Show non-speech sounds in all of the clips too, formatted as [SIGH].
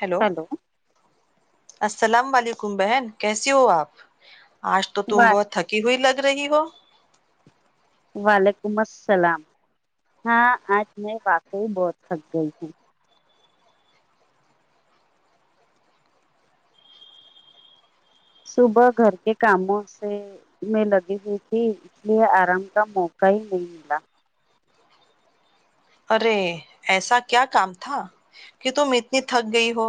hello hello السلام علیکم بہن کیسی ہو آپ آج تو تم واہ بہت تھکی ہوئی لگ رہی ہو وعلیکم السلام ہاں آج میں واقعی بہت تھک گئی ہوں صبح گھر کے کاموں سے میں لگی ہوئی تھی اس لیے آرام کا موقع ہی نہیں ملا ارے ایسا کیا کام تھا کہ تم اتنی تھک گئی ہو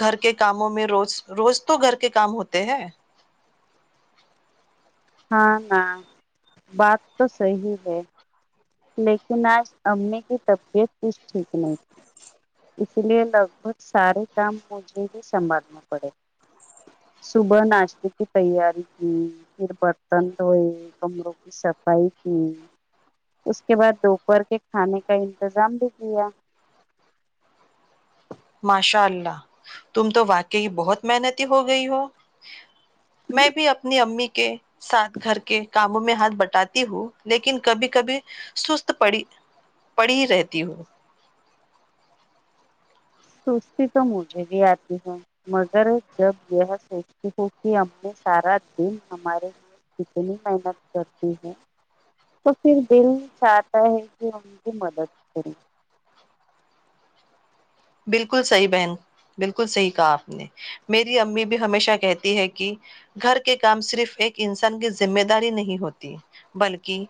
گھر کے کاموں میں روز روز تو گھر کے کام ہوتے ہے ہاں ہاں بات تو صحیح ہے لیکن آج امی کی طبیعت کچھ ٹھیک نہیں تھی اسی لیے لگ بھگ سارے کام مجھے ہی سنبھالنے پڑے صبح ناشتے کی تیاری کی پھر برتن دھوئے کمروں کی صفائی کی اس کے بعد دوپہر کے کھانے کا انتظام بھی کیا ماشاء اللہ تم تو واقع کی بہت محنتی ہو گئی ہو میں بھی اپنی امی کے ساتھ گھر کے کاموں میں ہاتھ بٹاتی ہوں لیکن کبھی کبھی سست پڑی پڑی رہتی ہوں سستی تو مجھے بھی آتی ہے مگر جب یہ سوچتی ہوں کہ امی سارا دن ہمارے لیے کتنی محنت کرتی ہے تو پھر دل چاہتا ہے کہ ان کی مدد کرے بالکل صحیح بہن بالکل صحیح کہا آپ نے میری امی بھی ہمیشہ کہتی ہے کہ گھر کے کام صرف ایک انسان کی ذمہ داری نہیں ہوتی بلکہ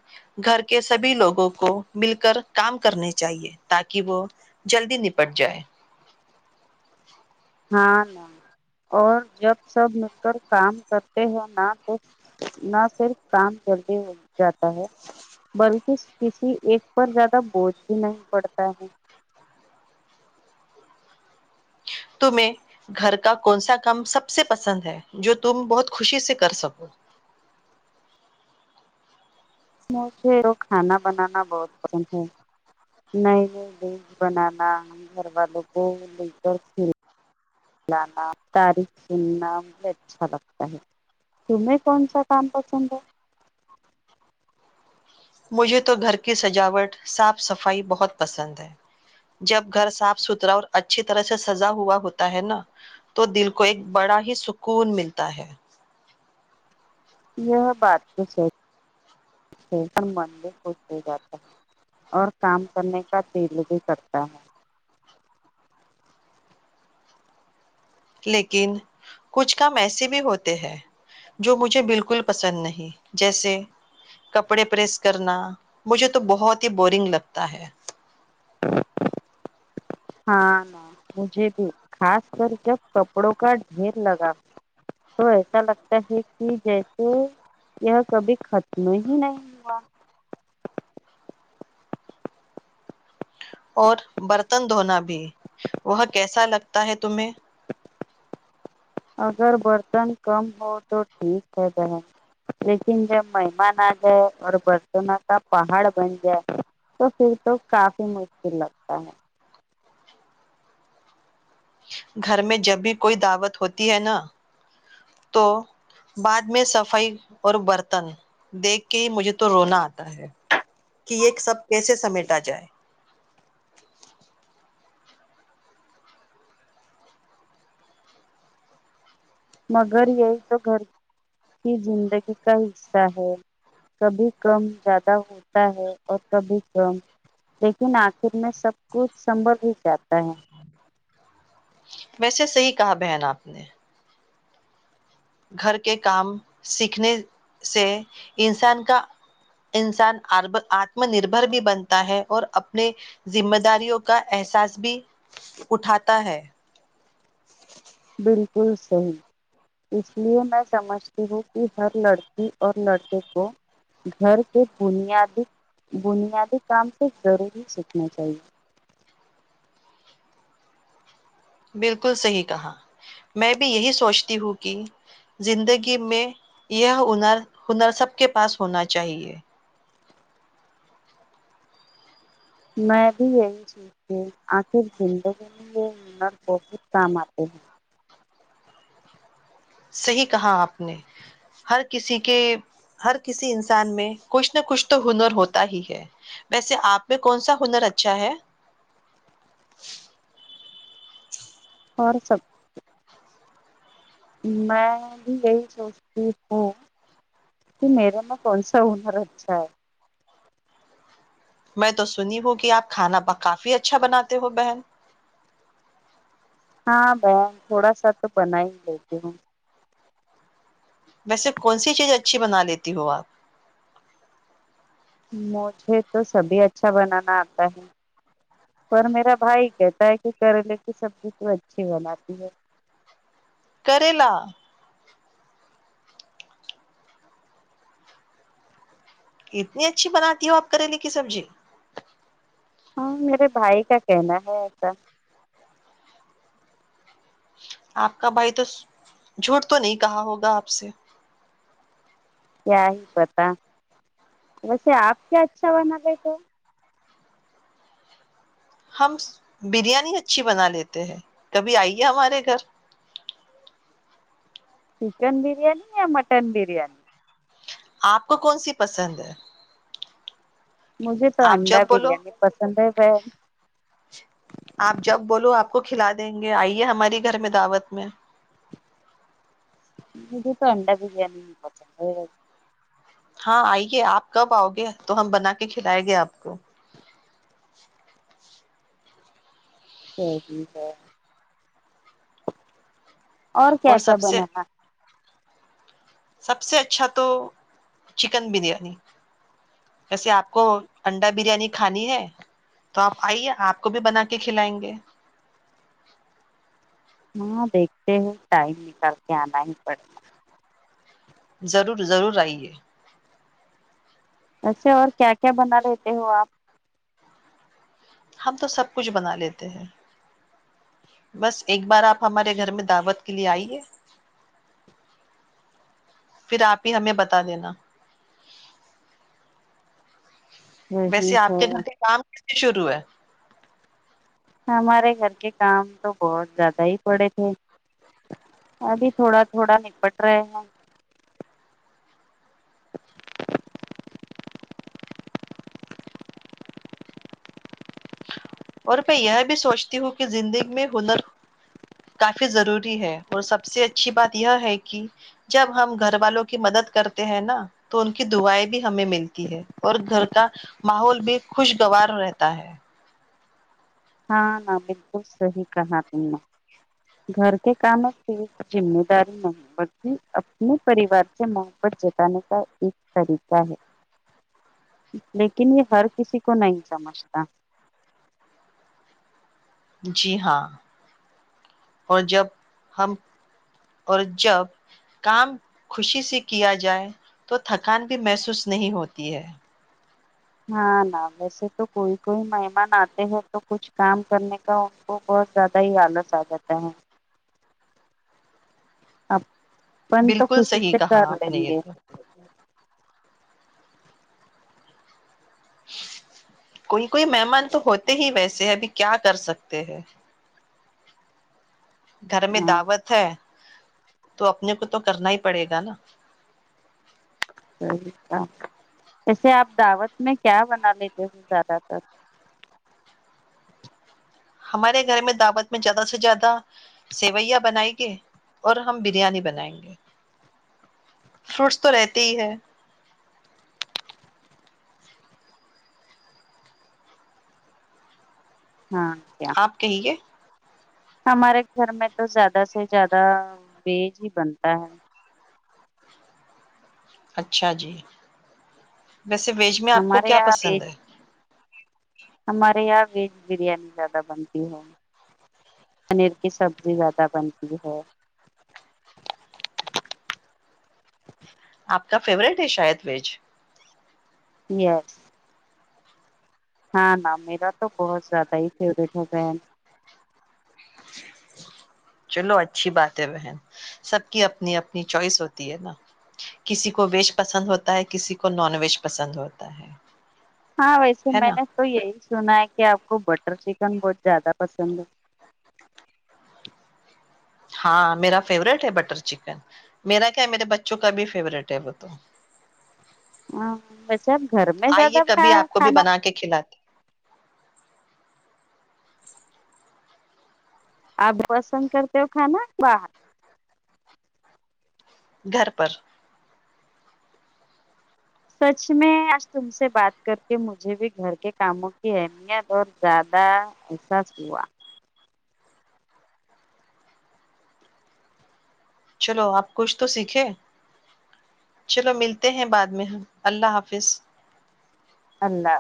گھر کے سبھی لوگوں کو مل کر کام کرنے چاہیے تاکہ وہ جلدی نپٹ جائے ہاں ہاں اور جب سب مل کر کام کرتے ہیں نا نہ پھر کام جلدی ہو جاتا ہے بلکہ کسی ایک پر زیادہ بوجھ بھی نہیں پڑتا ہے تمہیں گھر کا کون سا کام سب سے پسند ہے جو تم بہت خوشی سے کر سکو مجھے تو کھانا بنانا بہت پسند ہے نئی نئی ڈش بنانا گھر والوں کو لے کر کھلانا تریف سننا مجے اچھا لگتا ہے تمہیں کون سا کام پسند ہے مجھے تو گھر کی سجاوٹ صاف صفائی بہت پسند ہے جب گھر صاف ستھرا اور اچھی طرح سے سزا ہوا ہوتا ہے نا تو دل کو ایک بڑا ہی سکون ملتا ہے یہ بات تو من بھی خوش ہو جاتا ہے اور کام کرنے کا دل بھی کرتا ہے لیکن کچھ کام ایسے بھی ہوتے ہیں جو مجھے بالکل پسند نہیں جیسے کپڑے پریس کرنا مجھے تو بہت ہی بورنگ لگتا ہے ہاں ن مجھے بھی خاص کر جب کپڑوں کا ڈھیر لگا تو ایسا لگتا ہے کہ جیسے یہ کبھی ختم ہی نہیں ہوا اور برتن دھونا بھی وہ کیسا لگتا ہے تمہیں اگر برتن کم ہو تو ٹھیک رہ ج ہے لیکن جب مہمان آ جائے اور برتنوں کا پہاڑ بن جائے تو پھر تو کافی مشکل لگتا ہے گھر میں جب بھی کوئی دعوت ہوتی ہے نا تو بعد میں صفائی اور برتن دیکھ کے ہی مجھے تو رونا آتا ہے کہ یہ سب کیسے سمیٹا جائے مگر یہی تو گھر کی زندگی کا حصہ ہے کبھی کم زیادہ ہوتا ہے اور کبھی کم لیکن آخر میں سب کچھ سنبھل ہی جاتا ہے ویسے صحیح کہا بہن آپ نے گھر کے کام سیکھنے سے انسان کا انسان آتم نربر بھی بنتا ہے اور اپنے ذمہ داریوں کا احساس بھی اٹھاتا ہے بالکل صحیح اس لیے میں سمجھتی ہوں کہ ہر لڑکی اور لڑکے کو گھر کے بنیادی بنیادی کام سے ضروری سیکھنا چاہیے بالکل صحیح کہا میں بھی یہی سوچتی ہوں کہ زندگی میں یہ ہنر ہنر سب کے پاس ہونا چاہیے میں بھی یہی چیز کہ آخر زندگی میں یہ ہنر بہت کام آتے ہیں صحیح کہا آپ نے ہر کسی کے ہر کسی انسان میں کچھ نہ کچھ تو ہنر ہوتا ہی ہے ویسے آپ میں کون سا ہنر اچھا ہے اور سب میں بھی یہی سوچتی ہوں کہ میرے میں کون سا ہنر اچھا ہے میں تو سنی ہوں کہ آپ کھانا کافی اچھا بناتے ہو بہن ہاں بہن تھوڑا سا تو بنا ہی لیتی ہوں ویسے کون سی چیز اچھی بنا لیتی ہو آپ مجھے تو سبھی اچھا بنانا آتا ہے پر میرا بھائی کہتا ہے کہ کریلے کی سبزی تو اچھی بناتی ہے کریلا اتنی اچھی بناتی ہو آپ کریلے کی سبزی ہاں میرے بھائی کا کہنا ہے ایسا آپ کا بھائی تو جھوٹ تو نہیں کہا ہوگا آپ سے کیا ہی پتا ویسے آپ کیا اچھا بنا گے تو ہم بریانی اچھی بنا لیتے ہیں کبھی آئیے ہمارے گھر چکن بریانی یا مٹن برییاانی آپ کو کون سی پسند ہے مجھے تو آپ انڈا جب بولو بریانی پسند ہے ب آ کو کھلا دیں گے آئیے ہماری گھر میں دعوت میں مے تو انڈا بریانی ہاں آئیے آپ کب آؤ گے تو ہم بنا کے کھلائے گے آپ کو چ ٹھیک ہے اور کیا کیا سب سے بنا سب سے اچھا تو چکن بریانی جیسے آپ کو انڈا بریانی کھانی ہے تو آپ آئیے آپ کو بھی بنا کے کھلائیں گے ہاں دیکھتے ہیں ٹائم نکل کے آنا ہی پڑنا ضرور ضرور آئیے ویسے اور کیا کیا بنا رہتے ہو آپ ہم تو سب کچھ بنا لیتے ہیں بس ایک بار آپ ہمارے گھر میں دعوت کے لیے آئیے پھر آپ ہی ہمیں بتا دینا وہی ویسے آپ ہے کے گھر پ کام شروع ہے ہمارے گھر کے کام تو بہت زیادہ ہی پڑے تھے ابھی تھوڑا تھوڑا نپٹ رہے ہیں اور میں یہ بھی سوچتی ہوں کہ زندگی میں ہنر کافی ضروری ہے اور سب سے اچھی بات یہ ہے کہ جب ہم گھر والوں کی مدد کرتے ہیں نا تو ان کی دعائیں بھی ہمیں ملتی ہے اور گھر کا ماحول بھی خوشگوار رہتا ہے ہاں نہ بالکل صحیح کہا ت میں گھر کے کام میں صرف ذمہ داری نہیں بلکہ اپنے پریوار سے ماں پر جتانے کا ایک طریقہ ہے لیکن یہ ہر کسی کو نہیں سمجھتا جی ہاں اور جب ہم اور جب کام خوشی سے کیا جائے تو تھکان بھی محسوس نہیں ہوتی ہے ہاں نا ویسے تو کوئی کوئی مہمان آتے ہیں تو کچھ کام کرنے کا تو بہت زیادہ ہے آلاس آجاتا ہے آپ پن تو بالکل خوشی صحیح سے کر کہا آپ لیں نے یہ گے تو [INAUDIBLE] کوئی کوئی مہمان تو ہوتے ہی ویسے اسے ابھی کیا کر سکتے ہیں گھر میں ہاں دعوت ہے تو اپنے کو تو کرنا ہی پڑےگا نا صحیح تھا ویسے آپ دعوت میں کیا بنا لیتے ہو زیادہ تر ہمارے گھر میں دعوت میں زیادہ سے زیادہ سیویا بنائ گے اور ہم بریانی بنائیں گے فروٹس تو رہتے ہی ہے ہاں ا کیاا آپ کہیے ہمارے گھر میں تو زیادہ سے زیادہ بیج ہی بنتا ہے اچھا جی ویسے ویج میں آپ کو ہمارے کیا یہاں پسند ویج ہے ہمارے یہاں ویز بریانی زیادہ بنتی ہے پنیر کی سبزی زیادہ بنتی ہے آپ کا فیوریٹ ہے شاید ویز یس ہاں ن میرا تو بہت زیادہ ہی فیوریٹ ہوگیا چلو اچھی بات ہے بہن سب کی اپنی اپنی چوائس ہوتی ہے نا کسی کو ویج پسند ہوتا ہے کسی کو نان ویج پسند ہوتا ہے ہاں ویسے ہے میں نا نے تو یہی سنا ہے کہ آپ کو ب بٹر چکن بہت زیادہ پسند ہے ہاں میرا فیوریٹ ہے بٹر چکن میرا کیا ہے میرے بچوں کا بھی فیوریٹ ہے وہ تو ہاں ویسے آپ گھرکے زیادہ آئیے کبھی بنایا آپ کو بھی کھانا بنا کے کھلاتے آپ پسند کرتے ہو کھانا کی بھر گھر پر سچ میں آج تم سے بات کر کے مجھے بھی گھر کے کاموں کی اہمیت اور زیادہ احساس ہوا چلو آپ کچھ تو سیکھیں چلو ملتے ہیں بعد میں ہم اللہ حافظ اللہ